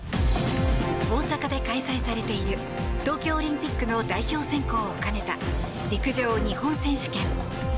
大阪で開催されている東京オリンピックの代表選考を兼ねた陸上日本選手権。